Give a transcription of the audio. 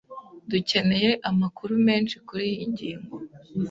Dukeneye amakuru menshi kuriyi ngingo.